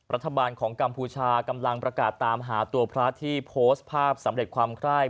รัฐบาลของกัมพูชากำลังประกาศตามหาตัวพระที่โพสต์ภาพสำเร็จความไคร้